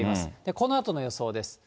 このあとの予想です。